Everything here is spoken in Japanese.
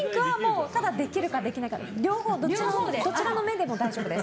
ただ、できるかできないかどちらの目でも大丈夫です。